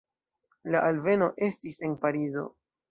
La alveno estis en Parizo.